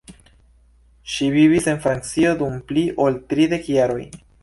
Ŝi vivis en Francio dum pli ol tridek jaroj.